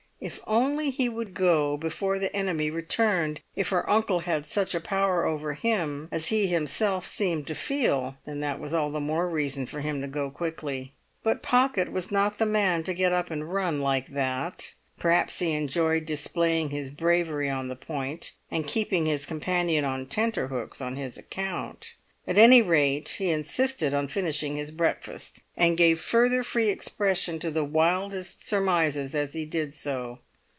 If only he would go before the enemy returned! If her uncle had such a power over him as he himself seemed to feel, then that was all the more reason for him to go quickly. But Pocket was not the man to get up and run like that. Perhaps he enjoyed displaying his bravery on the point, and keeping his companion on tenter hooks on his account; at any rate he insisted on finishing his breakfast, and gave further free expression to the wildest surmises as he did so.